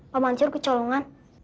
pak mancur kecolongan